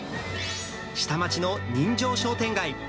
下町の人情商店街。